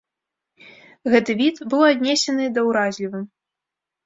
Гэты від быў аднесены да уразлівым.